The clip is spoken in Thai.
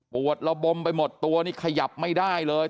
ระบมไปหมดตัวนี่ขยับไม่ได้เลย